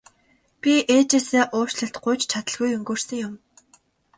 Би ээжээсээ уучлалт гуйж чадалгүй өнгөрсөн юм.